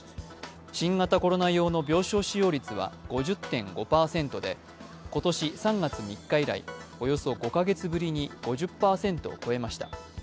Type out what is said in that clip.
新型コロナ用の病床使用率は５０．５％で今年３月３日以来およそ５カ月ぶりに５０％を超えました。